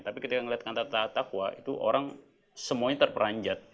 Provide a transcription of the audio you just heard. tapi ketika melihatkan tata takwa itu orang semuanya terperanjat